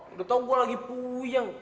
udah tau gue lagi puyeng